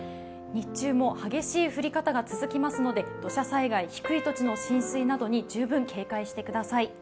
日中も激しい降り方が続きますので土砂災害、低い土地の浸水などに十分警戒してください。